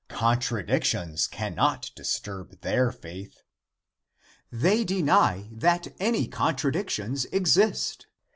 Contradictions cannot disturb their faith. They deny that any contradictions exist.